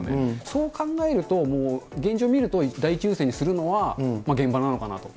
そう考えると、もう現状見ると、第一優先にするのは、現場なのかなと。